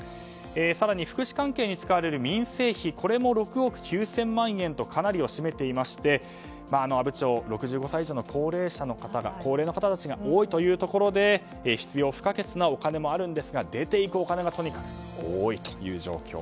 更に福祉関係に使われる民生費これも６億９０００万円とかなりを占めていまして阿武町６５歳以上の高齢の方たちが多いというところで必要不可欠なお金もあるんですが出て行くお金がとにかく多いという状況。